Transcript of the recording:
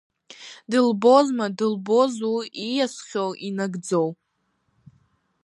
Дылбозма, дылбозу ииасхьоу инагӡоу…